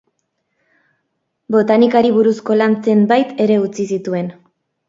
Botanikari buruzko lan zenbait ere utzi zituen.